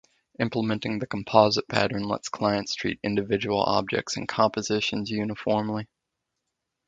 Implementing the composite pattern lets clients treat individual objects and compositions uniformly.